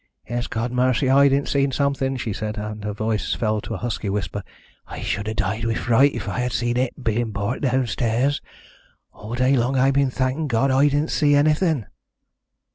"It's God's mercy I didn't see something," she said, and her voice fell to a husky whisper. "I should 'a' died wi' fright if I had seen it being brought downstairs. All day long I've been thanking God I didn't see anything."